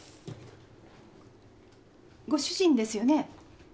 ご主人ですよね？